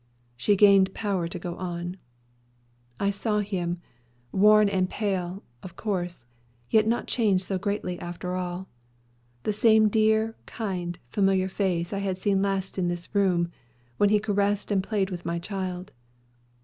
She gained power to go on. "I saw him. Worn and pale, of course; yet not changed so greatly, after all. The same dear, kind, familiar face I had seen last in this room, when he caressed and played with my child.